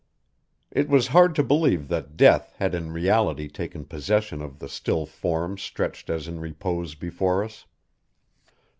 It was hard to believe that death had in reality taken possession of the still form stretched as in repose before us.